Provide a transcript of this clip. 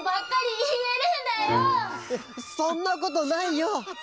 そんなことないよ！